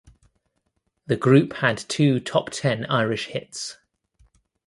The group had two top ten Irish hits.